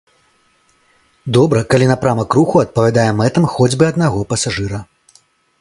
Добра, калі напрамак руху адпавядае мэтам хоць бы аднаго пасажыра.